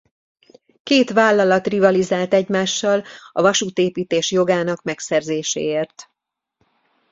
Két vállalat rivalizált egymással a vasútépítés jogának megszerzéséért.